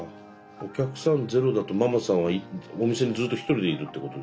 お客さんゼロだとママさんはお店にずっとひとりでいるってことでしょ？